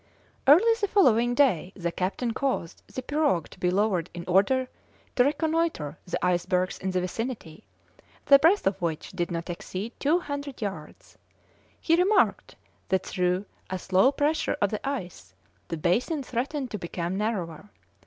Early the following day the captain caused the pirogue to be lowered in order to reconnoitre the icebergs in the vicinity, the breadth of which did not exceed 200 yards. He remarked that through a slow pressure of the ice the basin threatened to become narrower.